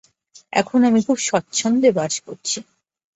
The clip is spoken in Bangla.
এখানে আমি খুব স্বচ্ছন্দে বাস করছি।